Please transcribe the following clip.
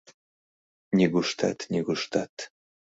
Нигуштат-нигуштат!